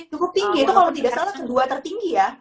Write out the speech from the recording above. cukup tinggi itu kalau tidak salah kedua tertinggi ya